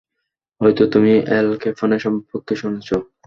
হয়তো তুমি Al Capone সম্পর্কে শুনেছ?